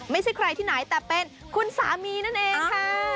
ไม่ใช่ใครที่ไหนแต่เป็นคุณสามีนั่นเองค่ะ